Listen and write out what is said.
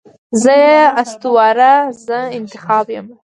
زه یې اسطوره، زه انتخاب یمه